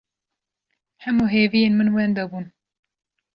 Hemû hêviyên min wenda bûn.